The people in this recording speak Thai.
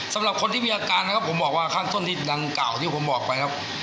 สำหรับคนที่มีอาการนะครับผมบอกว่าข้างต้นที่ดังกล่าวที่ผมบอกไปครับ